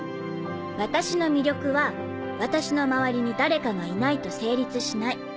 私の魅力は私の周りに誰かがいないと成立しない。